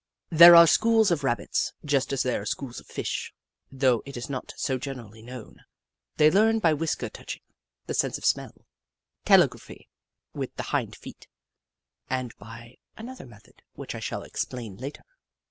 There are schools of Rabbits, just as there are schools of Fish, though it is not so generally known. They learn by whisker touching, the sense of smell, telegraphy with the hind feet, and by another method which I shall explain later.